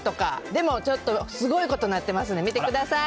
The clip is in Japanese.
でもちょっとすごいことになってますんで、見てください。